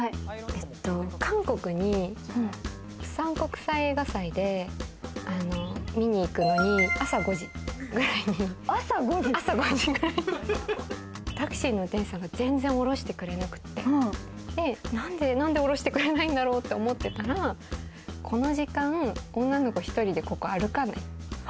韓国に、釜山国際映画祭で見に行くのに朝５時くらいにタクシーの運転手さんが、全然降ろしてくれなくて、なんで降ろしてくれないんだろうって思ってたら、この時間、女の子１人でここ歩かない。